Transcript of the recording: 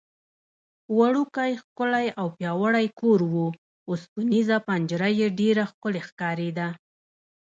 وړوکی، ښکلی او پیاوړی کور و، اوسپنېزه پنجره یې ډېره ښکلې ښکارېده.